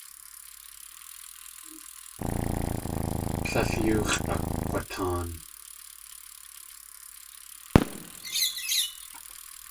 Tlél yoo x̲ʼakg̲wataan.